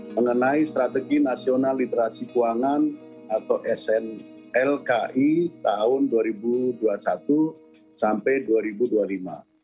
mengenai strategi nasional literasi keuangan atau snlki tahun dua ribu dua puluh satu sampai dua ribu dua puluh lima